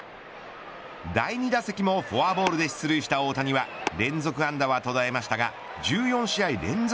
第２打席もフォアボールで出塁した大谷は連続安打は途絶えましたが１４試合連続